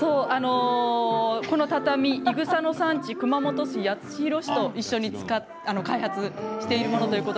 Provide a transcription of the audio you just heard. この畳は、いぐさの産地熊本県八代市と一緒に開発しているんです。